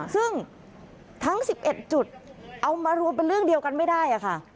ซึ่งทั้ง๑๑จุดเอามารวมเป็นเรื่องเดียวกันไม่ได้ค่ะ